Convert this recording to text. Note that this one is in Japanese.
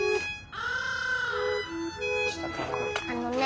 あのね